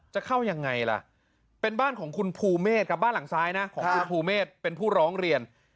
จะเข้ายังไงล่ะเป็นบ้านของคุณภูเมฆครับบ้านหลังซ้ายนะของคุณภูเมฆเป็นผู้ร้องเรียน